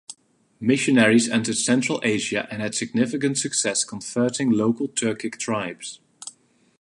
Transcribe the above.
Missionaries entered Central Asia and had significant success converting local Turkic tribes.